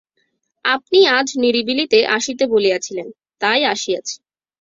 আপনি আজ নিরিবিলিতে আসিতে বলিয়াছিলেন, তাই আসিয়াছি।